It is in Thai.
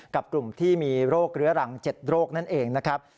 กับกลุ่มที่มีโรคเรื้อรัง๗โรคนั่นเองนะครับ